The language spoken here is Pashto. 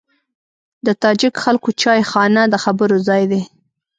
د تاجک خلکو چایخانه د خبرو ځای دی.